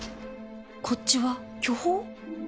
こっちは巨峰？